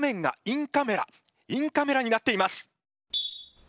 インカメラになっています。